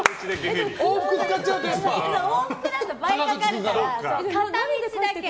往復だと倍かかるから片道だけ。